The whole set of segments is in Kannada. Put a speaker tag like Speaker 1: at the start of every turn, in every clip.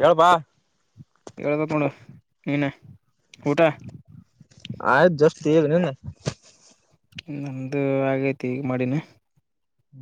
Speaker 1: ಹೇಳಳ್ಬಾ
Speaker 2: ಹೇಳ್ಬೇಕ ನು ನೀನ ಊಟ
Speaker 1: ಆಯ್ತು ಜಸ್ತಿ ನೀನೆ
Speaker 2: ನಮ್ದು ಆಗೈತಿ ಈಗ ಮಾಡಿನ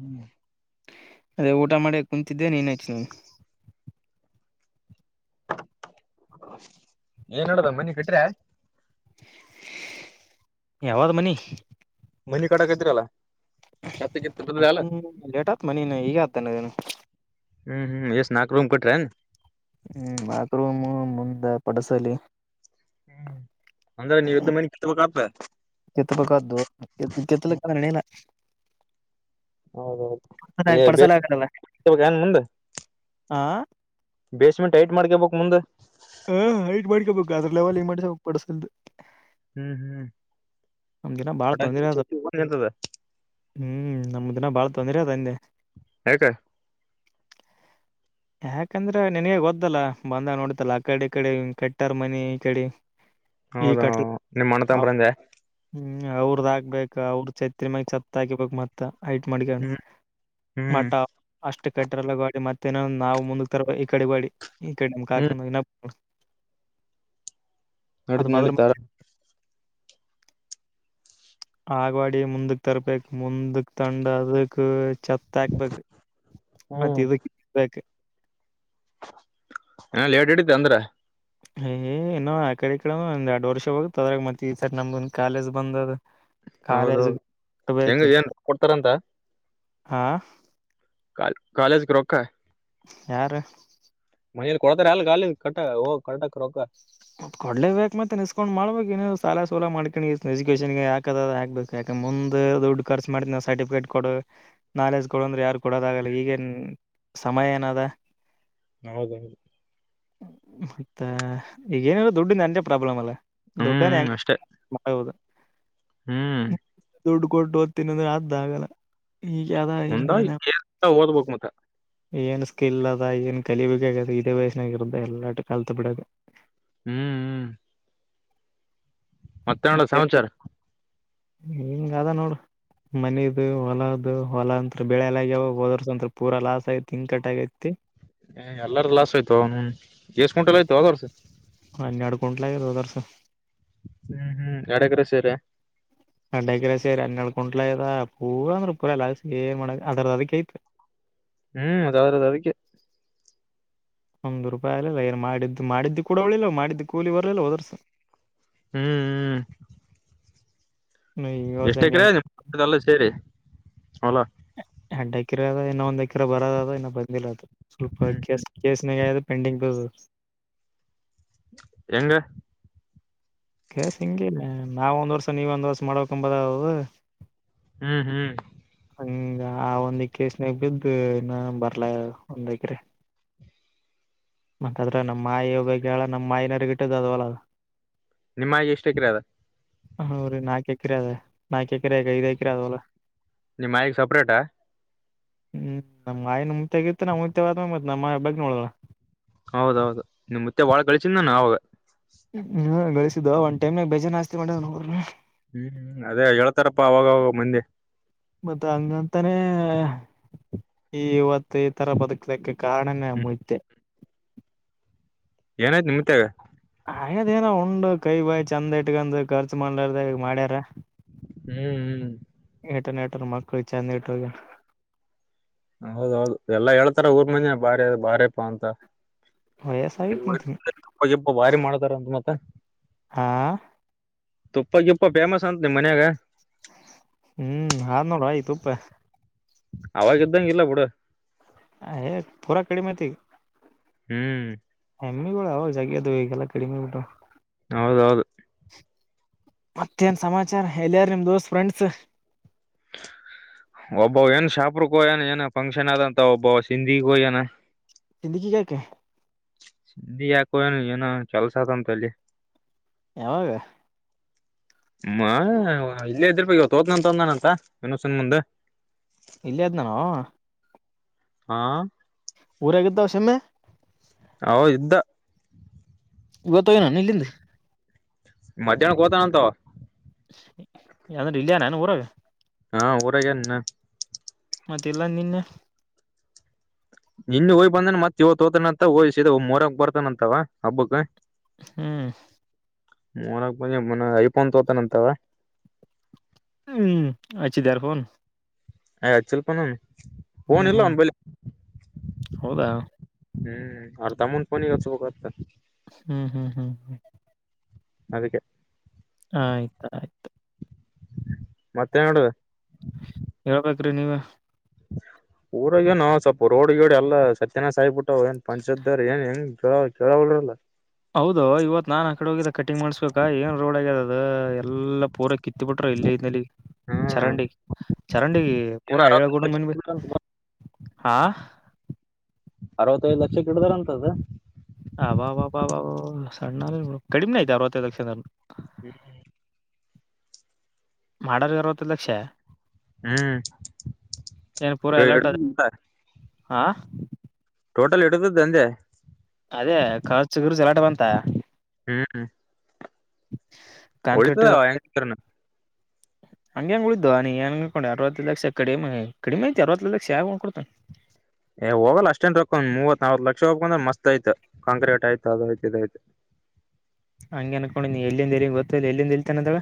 Speaker 1: ಹ್ಮ್.
Speaker 2: ಅದೇ ಊಟ ಮಾಡಿ ಕುಂತಿದ್ದೆ ನೀನ್ ಹಚ್ಚಿದೆ ನೋಡು.
Speaker 1: ಏನ್ ನಡದದ ಮನಿ ಕಟ್ರೆ.
Speaker 2: ಯಾವದು ಮನಿ
Speaker 1: ಮನೆಿ ಕಡಕ ಇದ್ರಲ್ಲ
Speaker 2: ಮನ ಲೇಟ್ ಆತ್ ಮನ ಹೀಗ ಆತನೆ ಅನು
Speaker 1: ಹ್ಮ್ ಹ್ಮ್ ಎಷ್ಟ ನಾಕರೂ್ ಕಟ್ರೆ
Speaker 2: ಹ್ಮ್ ಮಕ್ರೂ ಮುಂದ ಪಡಸಲಿ
Speaker 1: ಹ್ಮ್ ಅಂದ್ರೆ ನೀವ ಇದ್ದ ಮನೆ ಕತ್ತಬೇಕ ಆ
Speaker 2: ಕೆತ್ತ ಪಕ್ಕದ್ದು ಕೆ ಕೆತ್ತಲಕ್ಕಣನ
Speaker 1: ಹೌದೌದು ಏ ಬ
Speaker 2: ಪಡ್ಸಲ ಆಗಲ್ಲ
Speaker 1: ಏನ್ ಮುಂದೆ
Speaker 2: ಆ
Speaker 1: ಬೇಸ್ಮೆಂಟ್ ಟೈಟ್ ಮಾಡ್ಕೇಬಬೇಕಕ್ ಮುಂದೆ
Speaker 2: ಹ ಹೈಟ್ ಮಾಡಕಬೇಕು ಅ್ರ ಲೆವೆಲ್ ಹಂಗ ಮಾಡ್ಸು ಪಡಸ್ಕು
Speaker 1: ಹ್ಮ್ ಹ್ಮ್.
Speaker 2: ನಮ್ ದಿನ ಬಾಳ ತೊಂದರೆ ಆದ
Speaker 1: ನಿಂತದ
Speaker 2: ಹ್ಮ್ ನಮ್ದ ದಿನ ಬಾಳ ತೊಂದ್ರೆ ಆದ ಹಂದೆ.
Speaker 1: ಯಾಕ್.
Speaker 2: ಯಾಕಂದ್ರೆ ನಿನನ್ಗ ಗೊದ್ದಲ್ಲ ಬಂದ ನೋಡಿತಲ್ಲ ಆ ಕಡಿ ಈ ಕಡಿ ಕಟ್ಟರ್ ಮನಿ ಈ ಕಡಿ
Speaker 1: ಹೌದ ನಿಮ್ಮ್ ಅಣ್ಣ ತಮ್ಮರು ಅಂದೆ.
Speaker 2: ಹ್ಮ್ ಅವ್ರದ ಆಗ್ಬೇಕಕ್ ಅವ್ರ ಚೈತ್ರಿಮ್ಯಾಗ ಚತ್ ಹಾಕಿಬೇಕಕ್ ಮತ್ತ. ಐಟ್ ಮಾಡ್ಕೊಂಡ
Speaker 1: ಹ್ಮ್ ಹ್ಮ್
Speaker 2: ಮಟ ಅಷ್ಟ ಷ್ಟ ಕಟ್ಟರೆ ಎಲ್ಲ ಗಾಡಿ ಮತ್ತೆೇನ ನವು ಮುಕ್ ತರ ಈ ಕಡೆ ಗಾಯಿಡಿ ಈ ಕಡೆಮ್ ಕಾಕ
Speaker 1: ಹ್ಮ್
Speaker 2: ಅದ್
Speaker 1: ನಡೀತ್
Speaker 2: ಬದಲ್
Speaker 1: ನಡೀತ ಅಲ್ಲ.
Speaker 2: ಆಗ್ವಾಡಿ ಮುಂದಕ್ ತರ್ಬೇಕ ಮುಂದಕ್ ತಂಡ ಅದಕ್ ತ್ ಹಾಕ್ಬೇಕು ಮತ್ತ ಇದಬೇಕ
Speaker 1: ಏನೇಟ್ ಇಡತಿ ಅಂದ್ರೆ.
Speaker 2: ಏ ಇನ್ನು ಆ ಕಡೆ ಈ ಕಡೆ ಒಂದ್ ಎರಡ್ ವರ್ಷ ಹೋಗುತ್ತ ಅದ್ರಾಗ ಮತ್ತ ಈ ಸರಿ ನಮ್ದ ಕಾಲೇಜ್ ಬಂದ ಆದ.
Speaker 1: ಹೌದೌದು ಹೆಂಗ ಏನ್ ಕೊಡ್ತಾರಂತ.
Speaker 2: ಹಾ,
Speaker 1: ಕಾಲೇಜ್ ಕ ರೊಕ್ಕ.
Speaker 2: ಯಾರು?
Speaker 1: ಮನೇಲಿ ಕೊಡ್ತಾರೆ ಇಲ್ಲ ಕಟ್ಟ ಹ ಕಟಕ್ ರೊಕ್ಕ.
Speaker 2: ಕೊಡ್ಲೆಬೇಕಕ್ ಮತ್ತೆ ನಿಸಸ್ಕೊಂಡ್ ಮಾಡ್ಬೇಕು ಏನ ಸಾಲ ಸಾಲ ಮಾಡ್ಕಿ ಎಜುಕೇೇಶನ್ ಗೆ ಯಾಕದಾಕ್ಬೇಕು ಯಾ ಮುಂದ್ ದುಡ್ಡು ಖರ್ಚು ಮಾಡ್ತಿನಿ ಸರ್ಟಿಫಿಕೇಟ್ ಕೊಡು ನಾಲೆಜ್ ಕೊಡ ಅಂದ್ರೆ ಯಾರ ಕೊಡೋದಾಗಲ್ಲ ಈಗೇನ್ ಸಮಯ ಏನದ.
Speaker 1: ಹೌದೌದು.
Speaker 2: ಮತ್ತ ಈಗ ಏನ ದುಡ್ಡಿನದು ಒಂದೇ ಪ್ರಾಬ್ಲಮ್ ಅಲ್ಲ. ದೊಡ್ಡನ
Speaker 1: ಹ್ಮ್ ಅಷ್ಟೇ
Speaker 2: ಹೆಂಗ ಹೌದು.
Speaker 1: ಹ್ಮ್.
Speaker 2: ದುಡ್ಡು ಕೊಟ್ಟು ಓದ್ತೀನಿ ಅಂದ್ರೆ ಅತದ ಆಗಲ್ಲ. ಈಗ ಅದ ಈಗ
Speaker 1: ಮುಂದ
Speaker 2: ಏನ
Speaker 1: ಏನ್ ಓದ್ಬೇಕ್ ಮತ್ತ
Speaker 2: ಏನು ಸ್ಕಿಲ್ ಅದ ಏನ್ ಕಲಿಬೇಕ ಇದೇ ವಯಸ್ಸಿನಾಗ ಇರುದ ಎಲ್ಲಾಟ ಕಲ್ತ್ ಬಿಡಕ್
Speaker 1: ಹ್ಮ್ ಹ್ಮ್. ಮತ್ತೆ ಸಮಾಚಾರ
Speaker 2: ಇಂಗ ಆದ ನೋಡು. ಮನದು ಹೊಲದು ಹೊಲಾ ಅಂತ ಬೆಳೆ ಎಲ್ಲ ಆಗ್ಯಾವ ಹೋದರ್ಸ ಅಂತ ಪೂರ ಲಾಸ್ ಆಗೈತಿ ಹಿಂಗ ಕಟ್ ಆಗೈತಿ.
Speaker 1: ಹ ಎಲ್ಲಾರ ಲಾಸ್ ಆಯ್ತು ಏ ನೌನ ಎಷ್ಟ ಕ್ವಿಂಟೆಲ್ ಆಯ್ತು ಹೋದ ವರ್ಷ.
Speaker 2: ಹನ್ನೆರಡು ಕುಂಟ್ಲ [inaudible]
Speaker 1: ಹ್ಮ್ ಹ್ಮ್ ಎಡ್ ಎಕ್ರೆ ಸೇರೈ.
Speaker 2: ಎಡ್ ಎಕ್ರೆ ಸೇರಿ ಹನ್ನಳ್ ಕುಂಟ್ಲಾಆಗ್ಯದ ಪೂರ ಅಂದ್ರ ಪೂರಲ್ಲ ಏ ಮಾಡ್ ಅದ್ರದ ಅದಕ್ಕೆ ಐತ್
Speaker 1: ಹ್ಮ್ ಅದ್ರದ ಅದಕ್ಕೆ.
Speaker 2: ಒಂದು ರೂಪಾಯಿ, ಆಗ್ಲಿಲ್ಲ, ಏನು, ಮಾಡಿದ್ದು, ಮಾಡಿ, ಕೂಲಿ, ಬರ್ಲಿಲ್ಲ, ವರ್ಷ. [inaudible]
Speaker 1: ಹ್ಮ್, ಹ್ಮ್. [unintelligible]
Speaker 2: ಈ ವರ್ಷ
Speaker 1: ಎಷ್ಟೇ
Speaker 2: ಹಂಗೆ
Speaker 1: ಎಕರೆ, ಅದೆ, ಟೋಟಲ್, ಎಲ್ಲ ಸೇರಿ, ಹೌದ. [inaudible]
Speaker 2: ಎರಡ್ ಎಕರೆ ಅದ ಇನ್ನೊ ಒಂದ್ ಎಕರೆ ಬರೋ ಅದ ಇನ್ನ ಬಂದಿಲ್ಲ ಅದು. ಸ್ವಲ್ಪ
Speaker 1: ಹ್ಮ್
Speaker 2: ಕೇಸ್ ಕೇಸಿನದು ಪೆಂಡಿಂಗ್ ಬೀದೀದ್ದ.
Speaker 1: ಹೆಂಗ,
Speaker 2: ಕೆಸ ಹಿಂಗೆ ನಾವ್ ಒಂದ್ ವರ್ಷ ನೀವ ಒಂದ್ ವರ್ಷ ಮಾಡ್ಬೇಕಕ್ಂಬದದು.
Speaker 1: ಹ್ಮ್ ಹ್ಮ್.
Speaker 2: ಹ ಆ ಒಂದಿಕ್ಕೆ ಕೆಸ್ನೇಗ್ ಬಿದ್ದು ಇನ್ನ ಬರ್ಲ ಒಂದ್ಕರೆ. ಮತ್ತ ಅದ್ರಗ ನಮ್ಮ ಮಾಯಿ ಒಬ್ಬಕಿ ಆಳ ನಮ್ಮ ಮಾಯನವರಿಗ ಇಟ್ಟದ ಆದ ಹೊಲ ಅದ.
Speaker 1: ನಿಮ್ಮ ಆಯಿಗಿ ಎಸ್ಟ್ ಎಕ್ರೆ ಆದ.
Speaker 2: ಹೌ ರೀ ನಾಲ್ಕು ಎಕರೆ ಅದ ನಾಕ ಎಕರೆ ಯಾಕ್ ಐದ ಎಕರೆ ಅದ ಹೊಲ.
Speaker 1: ನಿಮ್ಮ ನಾಯಿಗೆ ಸೆಪರೇಟ. [inaudible]
Speaker 2: ಹ್ಮ್, ನಮ್ ನಾಯಿ, ನಂದಗಿತ್ತು ಹೋಗಿ ಕೇಳಿ ಹೇಳಿದ್ದು ಮತ್ತು ನಮ್ಮಂತ ಬಂತು, ನೋಡು. [inaudible]
Speaker 1: ಹೌದೌದು, ನಿಮ್, ಮತ್ತೆ, ಬಾಳ, ಕಳಿಸಿದಾನ ಅವಾಗ. [inaudible]
Speaker 2: ಹ್ಮ, ಗಳಿಸಿದ, ಒನ್ ಟೈಮ್ನಾಗ, ಬೇಜನ್ ಆಸ್ತಿ ಮಾಡೋನ, ಊರಲ್ಲಿ. [inaudible]
Speaker 1: ಹ್ಮ್ ಹ್ಮ್ ಅದೇ ಹೇಳ್ತಾರಪ್ಪ ಅವಾಗವಾಗ, ಮಂಡೆ. [inaudible]
Speaker 2: ಮತ್ತ, ಹಂಗಂತಾನೆ? [inaudible] ಈ, ಇವತ್ತು ಈ ತರ ಬದುಕಲಿಕ್ಕೆ! ಕಾರಣನೇ
Speaker 1: ಹ್ಮ್
Speaker 2: ಮುಯ್ದೆ. [inaudible]
Speaker 1: [unintelligible] [inaudible] ಏನಾಯ್ತು, ನಮ್ಮ ತಾಯಿಗೆ? [inaudible]
Speaker 2: ಹಂಗಂದ್ರೆ ಏನು, ಉಂಡ್, ಕೈ ಬಾಯಿ ಚಂದ ಇಟ್ಕಂಡು, ಖರ್ಚ್ ಮಾಡಲಾರದ, ಮಾಡ್ಯಾರ? [inaudible]
Speaker 1: ಹ್ಮ್, ಹ್ಮ್. [inaudible]
Speaker 2: ಇತರ ಮಾಡ್ಕೋ ಚಂದ ಹುಟ್ಟದ್ದೇ! [inaudible]
Speaker 1: ಹೌದೌದು, ಎಲ್ಲಾ ಹೇಳ್ತಾರೆ, ಊರುನಗ, ಬಾರಿ ಬಾರ್ಯಪಾ, ಅಂತ.
Speaker 2: ವಯಸ್ಸಾಗಿತ್ ಮತ್ರಿ
Speaker 1: [inaudible] ಹಾಗೆ, ಭಾರಿ ಮಾಡತಾರೆ, ಅಂತ, ಮತ್ತೆ. [unintelligible]
Speaker 2: ಹಾ. [inaudible]
Speaker 1: ತುಪ್ಪ, ಗುಪ್ಪ ಫೇಮಸ್ ಅಂತ ನಿಮ್ ಮನ್ಯಾಗ. [inaudible]
Speaker 2: ಹ್ಮ್, ಹಾಧುನೋಡು, ಏತುಥೆ. [inaudible]
Speaker 1: ಅವಾಗ, ಇದ್ದಂಗಿಲ್ಲ ಬಿಡು. [inaudible]
Speaker 2: ಹ, ಹೇ, ಪೂರಾ ಕಡಿಮೆ, ಆಯ್ತು ಈಗ. [inaudible]
Speaker 1: ಹ್ಮ್. [inaudible]
Speaker 2: ಎಮ್ಮಿ, ಯಾವಾಗ ಜಗ್ಗಿದವು, ಇವಾಗ, ಕಡಿಮೆಯಾದವು. [inaudible]
Speaker 1: ಹೌದೌದು. [inaudible]
Speaker 2: ಮತ್ತೇನ್, ಸಮಾಚಾರ!? ಎಲ್ಲಯಾರು ನಿಮ್ದೋಸ್ತ್, ಫ್ರೆಂಡ್ಸ್. [inaudible]
Speaker 1: ಒಬ್ಬ, ಏನ್ ಶಾಪ್ರ, ಹೋಯ್ಯನ! ಏನ ಫಂಕ್ಷನ್ ಆದಂತ, ಒಬ್ಬ ಸಿಂಧಿಗೋಯ್ಯನ. [inaudible]
Speaker 2: ಹಿಂದಕ್ಕೆ ಇಡಕ್ಕ. [inaudible]
Speaker 1: ಸುಮ್ನೆ ಯಾಕೋ? ಏನೋ ಕೆಲಸ ಅದೇ, ಅಂತೇ, ಅಲ್ಲೀ. [inaudible]
Speaker 2: ಯಾವಾಗ? [inaudible]
Speaker 1: ಹ, ಇಲ್ಲೇ, ಇದ್ದಿರಬೇಕು, ಹೋದನಂತಂದಾನಂತ, ಇನ್ನೊಂದು ಸ್ವಲ್ಪ ಮುಂದೆ. [inaudible]
Speaker 2: ಇಲ್ಲೇ, ಇದ್ನ, ಆವಾ. [inaudible]
Speaker 1: ಹಾ. [inaudible]
Speaker 2: ಊರಗಿದ್ದಾ, ಸುಮ್ನೆ. [inaudible]
Speaker 1: ಆವಾಗಿದ್ದ
Speaker 2: ಇವತ್ತು, ಏನು, ಇಲ್ಲಿಂದ. [inaudible]
Speaker 1: ಮಧ್ಯಾಹ್ನಕ್ಕೆ, ಹೋಗುತ್ತಾಳಂತೆ ಅವ. [inaudible]
Speaker 2: ಯಾಂದ್ರೆ, ಇಲ್ಲಿಯನಾ, ಊರಾಗ? [inaudible]
Speaker 1: ಹಾ ಊರಾಗೇನು, ಇನ್ನ. [inaudible]
Speaker 2: ಮತ್ತೆ, ಇಲ್ಲ, ನೀನೇ? [inaudible]
Speaker 1: ನಿನ್ನೀ ಹೋಗ್ ಬಂದನ ಮತ್ತ ಇವತೋತಾನಂತ ಹೋಗ್ಸಿದ ಮೊರಕ್ ಬರ್ತಾನಂತವ ಹಬ್ಬಕ್
Speaker 2: ಹ್ಮ್
Speaker 1: [unintelligible] ಐಫೋನ್ ತೋತಾನಂತವಾ
Speaker 2: ಹ್ಮ್ ಅಚ್ಚದರಫೋನ್
Speaker 1: ಹೇ, ಹಚಿರುಕಣ್ಣಾ. [inaudible]
Speaker 2: ಹ್ಮ್, ಹ್ಮ್, ಹೌದಾ? [inaudible]
Speaker 1: ಹೇ, ಅರ್ಥ ಮಾಡ್ಕೊಳ್ಳಿ! ಒಂದು, ಸ್ವಲ್ಪ ಹೊತ್ತು? [inaudible]
Speaker 2: ಹ್ಮ್, ಹ್ಮ್, ಹ್ಮ್, ಹ್ಮ. [inaudible]
Speaker 1: ಅದಕ್ಕೆ? [inaudible]
Speaker 2: ಆಯ್ತು, ಆಯ್ತು. [inaudible]
Speaker 1: ಮತ್ತೆ, ಏಳುಗಂಟೆಗೆ. [inaudible]
Speaker 2: ಹೇಳುಬೇಕುರಿ, ನೀವೇ. [inaudible]
Speaker 1: [unintelligible] [inaudible] ಊರಾಗ ನಾವು ಸ್ವಲ್ಪ ರೋಡ್ಗೋಡ್, ಎಲ್ಲ ಸತ್ಯನ್, ಸಾಯಬಿಟ್ಟ್! ಏನ್ ಪಂಚದರ್ ಏನ್, ಕೇಳೋರೇನಿಲ್ಲ? [inaudible]
Speaker 2: ಹೌದು ಇವತ್ ನಾನ್ ಆ ಕಡೆ ಹೋಗಿದ್ದ ಕಟಿಂಗ್ ಮಾಡ್ಸ್ಬೇಕಾ ಏನ್ ರೋಡ್ ಆಗ್ಯಿದೆ ಅದು ಎಲ್ಲಾ ಪೂರಕ ಕಿತ್ತಬಿಿಟರು ಇಲ್ಲಿಂದ ಅಲ್ಲಿಗೆ
Speaker 1: ಹ್ಮ್
Speaker 2: ಚರಂಡಿಗೆ ಚರಂಡಿ
Speaker 1: ಏನ್
Speaker 2: ಪೂರಾ
Speaker 1: ಅರವತ್ತೈದು
Speaker 2: ಐಳಗೂಡನ್ ಮನ್ವಿ
Speaker 1: [inaudible]
Speaker 2: ಹಾ
Speaker 1: ಅರವತ್ತೈದು ಲಕ್ಷಕ್ಕ ಇಡ್ದಾರಂತದ
Speaker 2: ಅಬಬಬ ಸಣ್ಣ ಕಡಿಮೆ ಆಯ್ತು ಅರವತ್ತೈದು ಲಕ್ಷ
Speaker 1: ಹ್ಮ್
Speaker 2: ಮಾಡದೇ ಅರವತ್ತೈದ್ದ ಲಕ್ಷ
Speaker 1: ಹ್ಮ್ [unintelligible]
Speaker 2: ಆಾ
Speaker 1: ಟೋಟಲ್ ಇಡತದ್ದ ಅಂದೆ
Speaker 2: ಅದೇ ಖರ್ಚು ಗರುಜ ಎಲಾಟ ಬಂತ
Speaker 1: ಹ್ಮ್
Speaker 2: ಕಾಂಕ್ರೀಟ್
Speaker 1: ಉಳಿತದ [unintelligible] [inaudible]
Speaker 2: ಹಂಗೆ ಹಂಗ ಉಳಿತದ ನೀ ಹೆಂಗಕೊಂಡಿ ಅರತ್ತೈದು ಲಕ್ಷ ಕಡಿಮೆ ಕಡಿಮೆ ಐತಿ ಅರವತ್ತೈದು ಲಕ್ಷ ಹಾ ಯಾವನ ಕೊಡ್ತಾನೆ
Speaker 1: ಏ ಹೋಗಲ್ಲ ಅಷ್ಟೇನ್ ರೊಕ್ಕೊಂದ್ ಮೂವತ್ ನಲ್ತ್ ಲಕ್ಷ ಹೋಗಬಂದ್ರ ಮಸ್ತ್ ಆಯತ ಕಾಕ್ರೀಟ್ ಆಯ್ತು ಅದ ಆಯತ ಇದ ಅಯ್ತು [inaudible]
Speaker 2: ಹಂಗೆ ಅನ್ಕೊಂಡಿ ನೀ ಎಲ್ಲಿಂದ ಎಲ್ಲಿ ಗೊತ್ತಿಲ್ಲ ಎಲ್ಲಿಂದ ಇಲ್ತಾನ ಅದಳ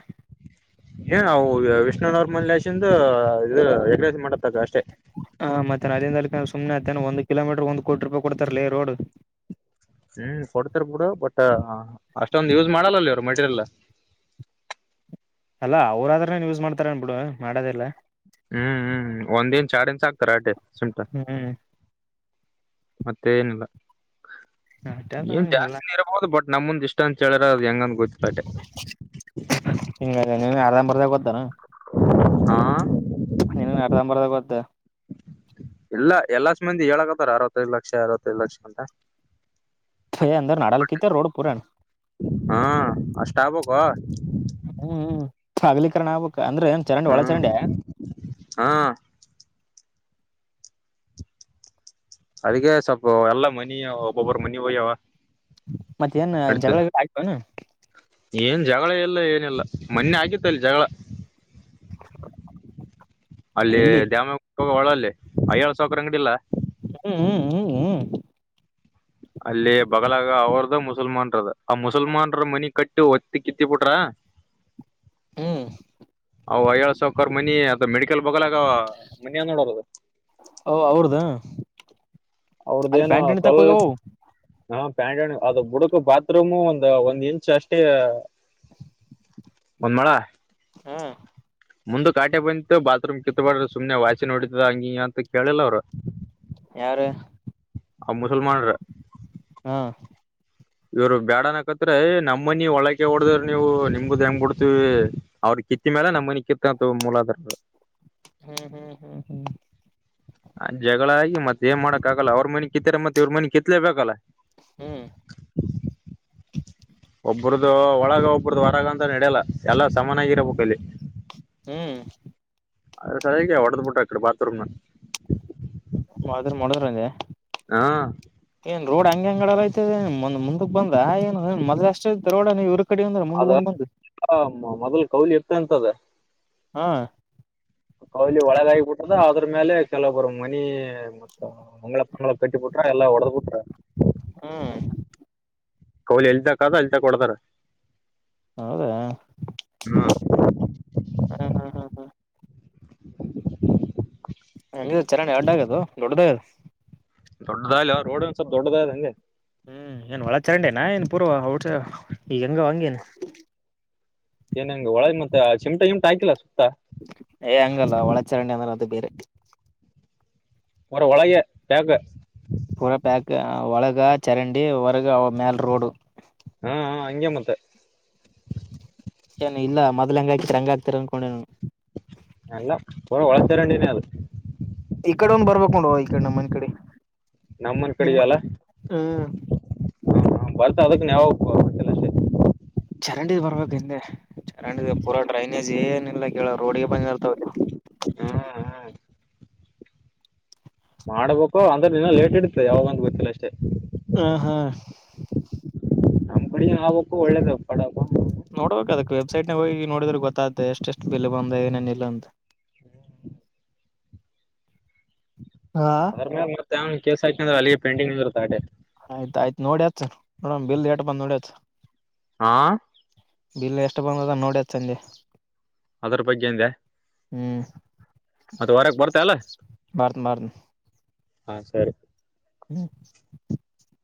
Speaker 1: ಏನವು ವಿಷ್ಣುನ ಮನೇಲಿಶಿಂದು ಇದ ಎಗ್ಗ್ರೀಸ್ ಮಾಡತಕ್ಕ ಅಷ್ಟೇ
Speaker 2: ಹಾ ಮತ್ತೆ ಅಲ್ಲಿಂದ ಅಲ್ಲತನ ಸುಮನೆ ಆಯ್ಥೆನ್ಲಿ ಒಂದು ಕಿಲೋಮೀಟರ್ ಒಂದು ಕೋಟ ರೂಪಾಯಿ ಕೊತಾರಲಿೀ ರೋಡ್
Speaker 1: ಹ್ಮ್ ಕೊಡ್ತಾರ ಬಿಡು ಬಟ್ ಅಷ್ಟೊಂದು ಯೂಸ್ ಮಾಡಲ್ಲಲ್ಲಿ ಇವರು ಮೆಟೀರಿಯಲ್
Speaker 2: ಅಲ್ಲಾ ಅವ್ರಾದ್ರೇನ್ ಯೂಸ್ ಮಾಡ್ತಾರನ್ ಬಿಡು ಮಾಡೋದಿಲ್ಲಾ
Speaker 1: ಹ್ಮ್ ಹ್ಮ್ ಒಂದ್ ಇಂಚ್ ಎರಡು ಇಂಚ್ ಅಂತಾರೆ ಅಟೇ ಸಿಮ್ಟ
Speaker 2: ಹ್ಮ್
Speaker 1: ಮತ್ತೆ ಏನಿಲ್ಲ
Speaker 2: ಅಟ್ಟದ
Speaker 1: ಏನ್
Speaker 2: ಎಲ್ಲ
Speaker 1: ಜಾಸ್ತಿ ಇರಬಹುದು ಬಡ್ ನಮಂದ್ ಇಷ್ಟ ಅಂತ ಹೇಳ್ರ ಅ್ ಹೆಂಗಂದ ಗೊತ್ತಿಲ್ಲಟೆ
Speaker 2: ನೀ ಅರಂಬರದ ಗೊತ್ತೇನ
Speaker 1: ಹಾ
Speaker 2: ಇನ್ನ ಅರ್ಧಂಬರ್ಧ ಗೊತ್ತ
Speaker 1: ಎಲ್ಲ ಸ ಮಂದಿ ಹೇಳಕತ್ತಾರ ಅರವತ್ತೈದು ಲಕ್ಷ ಅರವತ್ತೈದು ಲಕ್ಷ ಅಂತ
Speaker 2: ಏ ಅಂದ್ರ ನಡಲ್ಕಿತ್ತ ರೋಡ್ ಪೂರಾಣ
Speaker 1: ಹಾ ಅಷ್ಟ ಆಬೇಕ
Speaker 2: ಹ್ಮ್ ಹ್ಮ್ ತಾಗಲಿೀಕರಣ ಆಬಕ ಅಂದ್ರೆ ಏನ್ ಚರಂಡಿ ಒಳ
Speaker 1: ಹ್ಮ
Speaker 2: ಚರಂಡಿ
Speaker 1: ಹಾ ಅದಕ್ಕೆ ಸ್ವಲ್ಪ ಎಲ್ಲ ಮನ ಒಬ್ಬೊಬ್ಬರ ಮನಿ ಹೋಯ್ಯವ
Speaker 2: ಮತ್ತ ಏನ್ ಜಗಳ ಗಿಗಳ ಆಯತವನು
Speaker 1: ಏನ್ ಜಗಳ ಎಲ್ಲ ಏನಿಲ್ಲ ಮೊನ್ನೆ ಆಗಿತ್ತ ಅಲ್ಲಿ ಜಗಳ
Speaker 2: [unintelligible]
Speaker 1: ಅಲ್ಲಿ
Speaker 2: ಎಲ್ಲಿ
Speaker 1: ಡ್ಯಾಮ ಒಳಲ್ಲಿ ಅಯ್ಯಳ್ ಸಾವಕ್ರ ಅಂಗಡಿಲ್ಲ.
Speaker 2: ಹ್ಮ್ ಹ್ಮ್ ಹ್ಮ್ ಹ್ಮ್
Speaker 1: ಅಲ್ಲಿ ಬಗ್ಲಾಗ ಅವ್ರದ್ದ ಮುಸಲ್ಮಾನ್ರದ ಆ ಮುಸಲ್ಮಾರ ಮನಿ ಕಟ್ಟಿ ಒತ್ತಿ ಕಿತ್ತಿಬಿಟ್ರ. [unintelligible]
Speaker 2: ಹ್ಮ್
Speaker 1: ಅ ವಯಳ್ ಸಾವಕಾರ್ ಮನಿ ಅಥವಾ ಮೆಡಿಕಲ್ ಬಲಾಗ ಮನಿಯ ನೋಡಾದು
Speaker 2: ಓ ಅವ್ರದ ಅಲ್ಲಿ
Speaker 1: ಅವ್ರ್ದೇಏನ
Speaker 2: ಪ್ಯಾಂಟ್ ಇಣಿ ತಕ್
Speaker 1: ಸ್ವಲ್ಪ
Speaker 2: ಹೋಗ್ಯವು
Speaker 1: ಹಾ ಪ್ಯಾಂಟ ಅದು ಬುಡಕ ಬಾತ್ರೂಮು ಒಂದು ಒಂದ್ ಇಂಚ್ ಅಷ್ಟೇ
Speaker 2: [inaudible]
Speaker 1: ಒಂದ ಮಳ
Speaker 2: ಹೂ
Speaker 1: ಮುಂದ ಕಾಟೆ ಬಂತಿು ಬಾತ್ರೂಮ್ ಕಿತ್ಬಡ್ರೆ ಸುಮ್ನೆ ವಾಸಿ ನೋಡಿದ ಹಂಗಿಂಗ ಅಂತ ಕೇಳಿಲ್ಲ ಅವ್ರು
Speaker 2: ಯಾರು
Speaker 1: ಆ ಮುಸಲ್ಮಾನ್ರ
Speaker 2: ಹಾ
Speaker 1: ಇವರು ಬೇಡನಕತ್ರೆ ನಮ್ಮನಿ ಒಳಕೆ ಹೊಡದರು ನೀವು ನಿಮ್ಗೂ [unintelligible] ಬಿಡ್ತೀವಿ ಅವ್ರ ಕಿತ್ತ ಮೇಲೆ ನಮ್ಮ ಮನ ಕಿತ್ತತ್ ಮೂಲಾದ್ರರು.
Speaker 2: [unintelligible]
Speaker 1: ಆ ಜಗಳ ಆಗಿ ಮತ್ತ್ ಏನ್ ಮಾಡಕ್ ಆಗಲ್ಲ ಅವ್ರ ಮನೆ ಕಿತ್ತಾರೆ ಮತ್ತೆ ಇವ್ರ ಮನೆ ಕಿತ್ಲೇಬೇಕಲ್ಲ.
Speaker 2: ಹ್ಮ್
Speaker 1: ಒಬ್ರದದು ಒಳಗ ಒಬ್ಬ್ರದು ಹೊರಗ ಅಂತ ನಡೆಯಲ್ಲ ಎಲ್ಲ ಸಮಾನಾಗಿರಬೇಕಲ್ಲಿ.
Speaker 2: ಹ್ಮ್
Speaker 1: ಅ್ರ [unintelligible] ಬಿಟ್ಟಟ್ ಬಾತ್ರರೂಮನ
Speaker 2: ಬಾತ್ರೂಂ ಮಾಡಿದ್ರಂಗೆ ರೋಡ್ ಹಂಗ್ ಅಂಗಡಲ್ಲ ಐತದಂದ್ ಮುಂದಕ್ ಬಂದ್ರ ಏನು ಮದ್ ಅಷ್ಟ ಐತೆ ರೋಡ ನೀವ
Speaker 1: ಅದ ಮೊದಲ್ [unintelligible] ಇರ್ತ ಅಂತದ
Speaker 2: ಹಾ
Speaker 1: ಕೌಲಿ ಒಳಗ ಆಗಿಬಿಟ್ಟದ ಅದ್ರ ಮೇಲೆ ಕೆಲವ ಬರು ಮನಿ. ಮತ್ತ ಅಂಗ್ಗಳ ಕಳ ಕಟ್ಟಿಬಿಟ್ರ ಎಲ್ಲಾ ಹೊಡೆದ್ ಬಿಟ್ರ.
Speaker 2: ಹ್ಮ
Speaker 1: ಕೌಲಿ ಎಲ್ದಕ್ದು ಅಲ್ಲಿ ಕೊಡ್ತಾರ
Speaker 2: ಹೌದಾ
Speaker 1: ಹ್ಮ್
Speaker 2: ಹ ಹ ಹ ಹಂಗ ಚರೌಂಡಿ ಎರಡ ಆದು ದೊಡ್ಡದಾಗದ್
Speaker 1: ದೊಡ್ಡದ ಇಲ್ಲವ ರೋಡ್ ಒನ್ ಸ್ವಲ್ಪ್ ದೊಡ್ಡದಾಯದೆ ಹಂಗೆ
Speaker 2: ಹ್ಮ್ ಏನ್ ಒಳ ಚರಂಡೇನಾ ಏನ್ ಪೂರ್ವ ಔಟ್ ಈಗ ಹೆಂಗ ಹಂಗವ್ ಹಂಗೆನ
Speaker 1: ಏನ್ ಹೆಂಗ ಒಳ ಮತ್ತೆ ಆ ಚಿಮಟಾ ಗಿಮ್ಮಟಾ ಆಕಿಲ್ಲ ಸುತ್ತಾ
Speaker 2: ಏ ಹಂಗಲ್ಲ ಒಳ ಚರಂಡಿ ಅಂದ್ರ ಅದು ಬೇರೆ
Speaker 1: ಒರ ಒಳಗ [unintelligible]
Speaker 2: ಪೂರ ಪ್ಯಾಕ್ ಒಳಗ ಚರಂಡಿ ಒರಗ ಮೇಲ್ ರೋಡು
Speaker 1: ಹಾ ಹಾ ಹಂಗೆ ಮತ್ತೆ
Speaker 2: [unintelligible] ಆಗ್ತ ಅಕೊಂಡ
Speaker 1: ಎಲ್ಲ [unintelligible]
Speaker 2: ಈ ಕಡೆ ಒಂದ್ ಬರ್ಬೇಕು ನೋಡ ಈ ಕಡೆ ನಮ್ಮನ ಕಡಿ
Speaker 1: ನಮ್ಮನ್ ಕಡೆಯಲ್ಲ
Speaker 2: ಹ್ಮ್
Speaker 1: ಅದಕ್ಕೆನ್ಯಾವೋಗುವಲ್ಲಷ್ಟೇ
Speaker 2: ಚರಂಡಿದ ಬರ್ಬೇಕು ಹಿಂದೆ ಚರಂಡಿದ ಪೂರ ಡ್ರೈನೇಜ್ ಏನ ಇಲ್ಲ ರೋಡಿಗೆ
Speaker 1: ಹ್ಮ್
Speaker 2: [unintelligible]
Speaker 1: ಹ್ಮ್ ಮಾಡ್ಬೇಕು ಅಂದ್ರೆ ನಿನ್ನ ಲೇಟ್ ಇಡತ್ತೆ ಯಾವಾಗಂದ್ ಗೊತ್ತಿಲ್ಲ ಅಷ್ಟೇ.
Speaker 2: ಹ್ಮ್ ಹ್ಮ್
Speaker 1: ನಮ್ ಕಡೆ ಆವಕ್ಕು ಒಳ್ಳೇದ ಪಡ
Speaker 2: ಸೈಟ್ ನಾಗ ಹೋಗಿ ನೋಡಿದ್ರೆ ಗೊತ್ತಾಗ್ದೆ ಎಷ್ಟ್ ಬಿಲ್ ಬಂದ ಏನೇನ ಇಲ್ಲ ಅಂತ
Speaker 1: ಹ್ಮ್
Speaker 2: ಹಾ
Speaker 1: ಅದ ಮೇಲೆ ಮತ್ತೆ ಕೇಸ ಹಾಕ ಅ್ರ ಅಲ್ಲಿಗೆ ಪೇಂಟಿಂಗ್ ಇರುತ್ತೆ ಅ
Speaker 2: ಆಯ್ ಆಯತ್ ನೋಡಿಯಾಚ್ ನೋಡನ್ ಬಿಲ್ಲೆಟ್ ಬಂದ್ ನೋಡ್ಯತ್
Speaker 1: ಹಾ
Speaker 2: ಬಿಲ್ ಎಷ್ಟು ಬಂದದ ನೋಡ್ಯತ್ ಸಂಜೆ
Speaker 1: ಅದ್ರ ಬಗ್ಗೆಂದೆ
Speaker 2: ಹ್ಮ್
Speaker 1: ಮತ್ತ ವಾರಕ್ ಬರ್ತ ಅಲ್ಲ
Speaker 2: ಬರ್ತ್ನ್ ಬರ್ತ್ನ್
Speaker 1: ಹಾ ಸರಿ
Speaker 2: [inaudible]